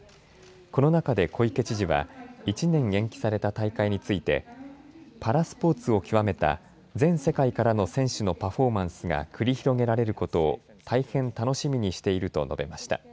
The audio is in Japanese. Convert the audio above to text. この中で小池知事は１年延期された大会についてパラスポーツを極めた全世界からの選手のパフォーマンスが繰り広げられることを大変、楽しみにしていると述べました。